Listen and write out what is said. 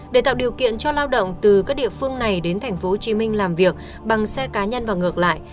để tạo điều kiện cho lao động từ các địa phương này đến tp hcm làm việc bằng xe cá nhân và ngược lại